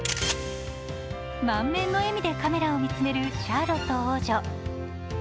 満面の笑みでカメラを見つめるシャーロット王女。